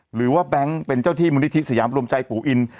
หรือว่าแบงเป็นเจ้าที่มุนิธิสยามบริมจัยปู่อิน